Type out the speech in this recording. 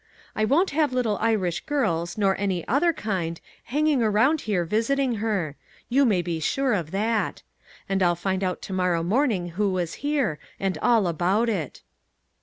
I won't have little Irish girls, nor any other kind, hanging around here visit ing her ; you may be sure of that. And I'll find out to morrow morning who was here, and all about it."